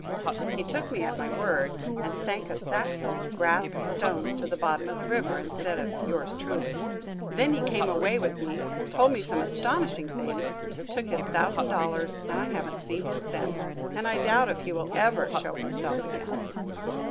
He took me at my word, and sank a sack full of grass and stones to the bottom of the river, instead of yours truly. Then he came away with me, told me some astonishing things, took his thousand dollars; and I haven't seen him since, and I doubt if he will ever show himself again."